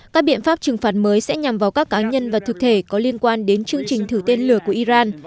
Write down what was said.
các biện pháp trừng phạt mới sẽ nhằm vào các cá nhân và thực thể có liên quan đến chương trình thử tên lửa của iran